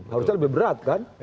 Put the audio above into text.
harusnya lebih berat kan